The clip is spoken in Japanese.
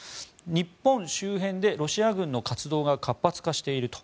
日本周辺でロシア軍の活動が活発化していると。